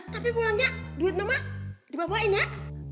tapi pulangnya duit nomak dibawain ya